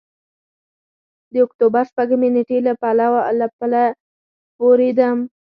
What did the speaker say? د اکتوبر شپږمې نېټې له پله پورېوتم.